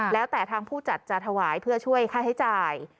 แล้วแต่ทางผู้จัดจะถวายเพื่อช่วยค่าใช้จ่าย